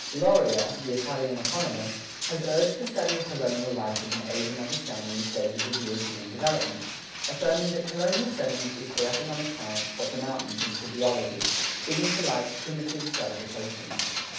Loria,[11:1] the Italian economist, has urged the study of colonial life as an aid in understanding the stages of European development, affirming that colonial settlement is for economic science what the mountain is for geology, bringing to light primitive stratifications.